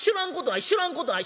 知らんことない。